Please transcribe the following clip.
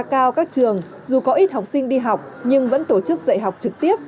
cao các trường dù có ít học sinh đi học nhưng vẫn tổ chức dạy học trực tiếp